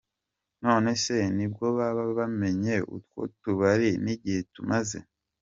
None se nibwo baba bamenye utwo tubari n’igihe tumaze?.